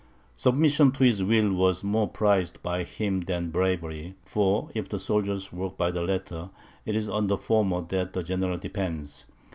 Submission to his will was more prized by him than bravery; for, if the soldiers work by the latter, it is on the former that the general depends.